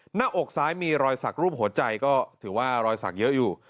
หน้าอกซ้ายมีรอยสักรูปหัวใจก็ถือว่ารอยสักเยอะอยู่